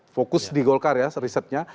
fokus di golkar ya risetnya